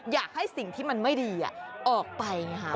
อยากให้สิ่งที่มันไม่ดีออกไปไงค่ะ